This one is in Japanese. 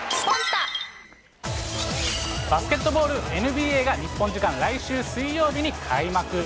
バスケットボール・ＮＢＡが、日本時間来週水曜日に開幕。